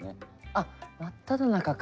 あっ真っただ中か。